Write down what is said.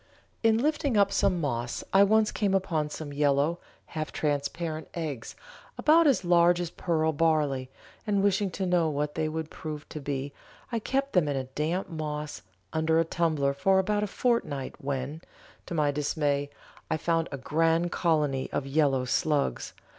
In lifting up some moss I once came upon some yellow, half transparent eggs about as large as pearl barley, and wishing to know what they would prove to be I kept them in damp moss under a tumbler for about a fortnight, when, to my dismay, I found a grand colony of yellow slugs!